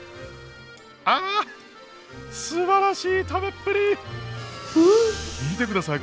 あすばらしい食べっぷり！んおいしい！